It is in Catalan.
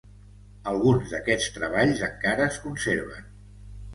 Alguns d'aquests treballs encara es conserven.